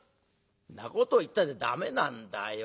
「んなこと言ったって駄目なんだよ。